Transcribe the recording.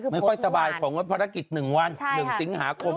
ไม่ค่อยสบายของงดภารกิจ๑วัน๑สิงหาคม